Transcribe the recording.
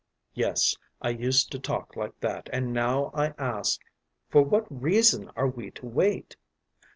Yes, I used to talk like that, and now I ask, ‘For what reason are we to wait?